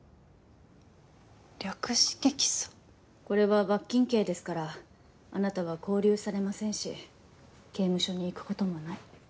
これは罰金刑ですからあなたは勾留されませんし刑務所に行く事もない。